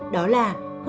đó là hương vị thuần thủy